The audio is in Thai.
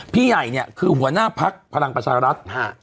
พี่ใหญ่เนี่ยคือหัวหน้าภักดิ์ฝรั่งประชารรัส